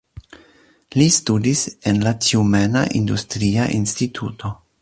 Li studis en la Tjumena Industria Instituto.